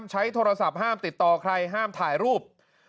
ใช้โทรศัพท์ห้ามติดต่อใครห้ามถ่ายรูป